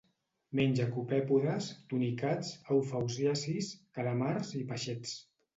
Menja copèpodes, tunicats, eufausiacis, calamars i peixets.